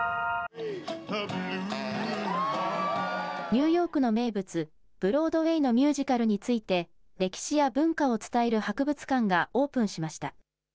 ニューヨークの名物、ブロードウェイのミュージカルについて歴史や文化を伝える博物館がオープンしました。